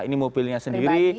ini mobilnya sendiri